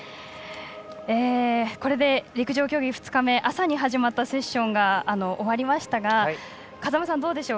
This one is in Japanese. これで陸上競技２日目朝に始まったセッションが終わりましたが風間さん、どうでしょう。